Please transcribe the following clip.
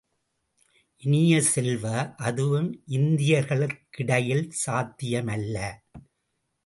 இனிய செல்வ, அதுவும் இந்தியர்களுக்கிடையில் சாத்தியமல்ல.